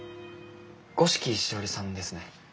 五色しおりさんですね。